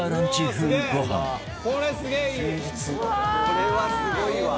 「これはすごいわ」